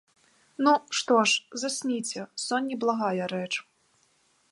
Ну, што ж, засніце, сон не благая рэч.